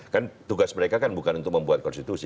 kan tugas mereka kan bukan untuk membuat konstitusi